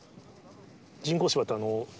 人工芝って、あの。